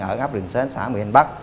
ở ngắp rừng xến xã mỹ hình bắc